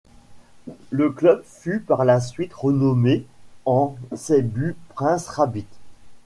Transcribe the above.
Le club fut par la suite renommé en Seibu Prince Rabbits.